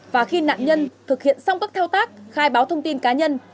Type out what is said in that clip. và khi nạn nhân thực hiện xong các thao tác khai báo thông tin cá nhân